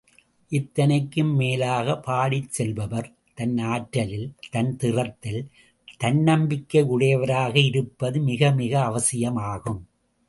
இத்தனைக்கும் மேலாக, பாடிச் செல்பவர் தன் ஆற்றலில், தன் திறத்தில் தன்னம்பிக்கை உடையவராக இருப்பதுமிகமிக அவசியமாகும்.